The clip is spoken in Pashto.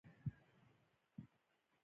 غاښ مو خوځیږي؟